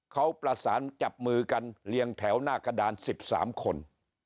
เขาประสานจับมือกันเรียงแถวหน้ากระดาน๑๓คน